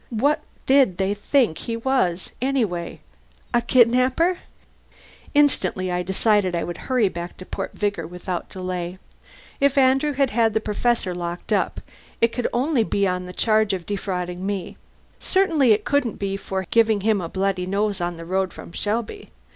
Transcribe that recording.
What did they think he was, anyway? A kidnapper? Instantly I decided I would hurry back to Port Vigor without delay. If Andrew had had the Professor locked up, it could only be on the charge of defrauding me. Certainly it couldn't be for giving him a bloody nose on the road from Shelby.